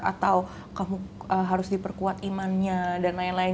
atau kamu harus diperkuat imannya dan lain lain